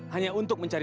hanya untuk mencari